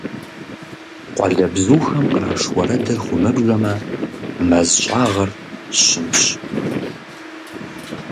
Къуалэбзухэм къраш уэрэдыр хыумыбжэмэ, мэз щӀагъыр щымщ.